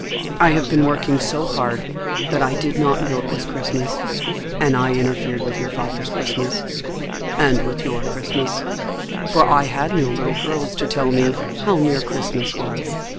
—I have been working so hard that I did not know it was Christmas, and I interfered with your father's Christmas—and with your Christmas; for I had no little girls to tell me how near Christmas was.